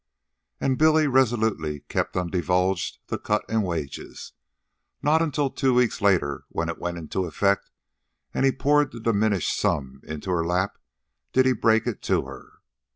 And Billy resolutely kept undivulged the cut in wages. Not until two weeks later, when it went into effect, and he poured the diminished sum into her lap, did he break it to her.